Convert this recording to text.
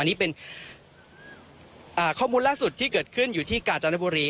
อันนี้เป็นข้อมูลล่าสุดที่เกิดขึ้นอยู่ที่กาญจนบุรี